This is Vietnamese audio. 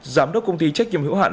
giám đốc công ty trách nhiệm hữu hạn